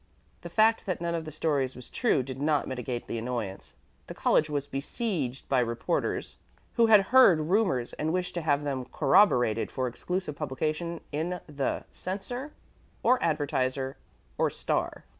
The fact that none of the stories was true did not mitigate the annoyance. The college was besieged by reporters who had heard rumors and wished to have them corroborated for exclusive publication in the "Censor" or "Advertiser" or "Star."